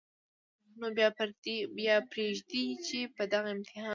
نو بیا پرېږدئ چې په دغه امتحان کې